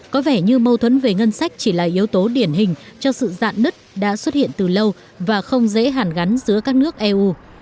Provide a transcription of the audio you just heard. có vẻ như mâu thuẫn về ngân sách chỉ là yếu tố điển hình cho sự dạn nứt đã xuất hiện từ lâu và không dễ hàn gắn giữa các nước eu